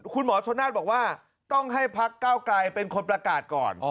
คุณหมอชนนาฏบอกว่าต้องให้พักเก้าไกลเป็นคนประกาศก่อน